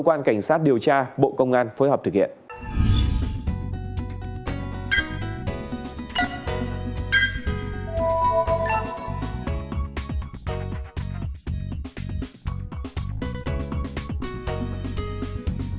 quan cảnh sát điều tra bộ công an phối hợp thực hiện à à à à à à à à à à à à à à à à à à à à à